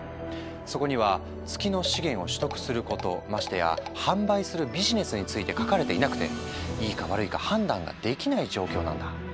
そこには月の資源を取得することましてや販売するビジネスについて書かれていなくていいか悪いか判断ができない状況なんだ。